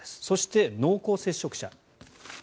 そして濃厚接触者。